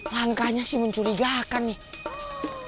langkahnya sih mencurigakan nih